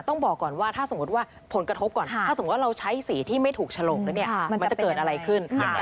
ต้องบอกก่อนว่าถ้าสมมุติว่าผลกระทบก่อนถ้าสมมุติว่าเราใช้สีที่ไม่ถูกฉลกแล้วเนี่ยมันจะเกิดอะไรขึ้น